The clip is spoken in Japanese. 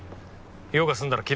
用が済んだら切れ。